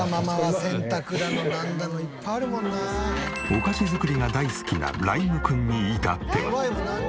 お菓子作りが大好きな麗優心くんに至っては。